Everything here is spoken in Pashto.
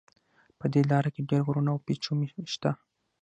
په دې لاره کې ډېر غرونه او پېچومي شته.